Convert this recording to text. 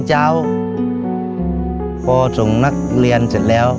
พอส่งนักเรียนเสร็จแล้ว